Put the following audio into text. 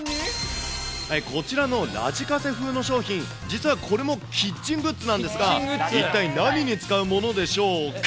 こちらのラジカセ風の商品、実はこれもキッチングッズなんですが、一体何に使うものでしょうか。